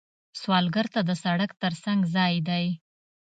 سوالګر ته د سړک تر څنګ ځای دی